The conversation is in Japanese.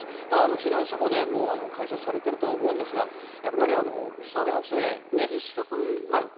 避難所も開設されているとは思うんですがやっぱり避難所へね。